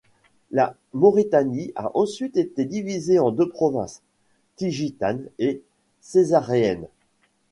La Maurétanie a ensuite été divisée en deux provinces, Tingitane, et Césaréenne.